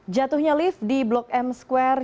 jatuhnya lift di blok m square